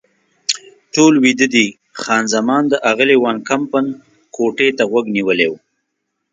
ټول ویده دي، خان زمان د اغلې وان کمپن کوټې ته غوږ نیولی و.